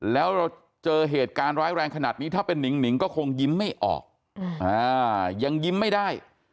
แล้วเราเจอเหตุการณ์ร้ายแรงขนาดนี้ถ้าเป็นนิงก็คงยิ้มไม่ออกยังยิ้มไม่ได้